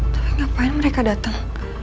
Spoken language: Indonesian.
tapi ngapain mereka datang